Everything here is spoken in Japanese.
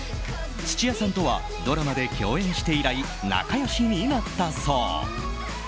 土屋さんとはドラマで共演して以来仲良しになったそう。